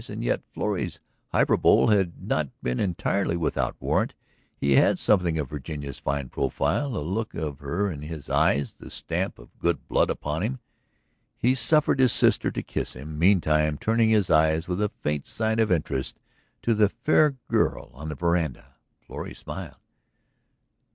And yet Florrie's hyperbole had not been entirely without warrant. He had something of Virginia's fine profile, a look of her in his eyes, the stamp of good blood upon him. He suffered his sister to kiss him, meantime turning his eyes with a faint sign of interest to the fair girl on the veranda. Florrie smiled.